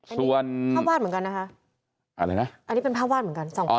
ส่วนภาพวาดเหมือนกันนะคะอะไรนะอันนี้เป็นภาพวาดเหมือนกัน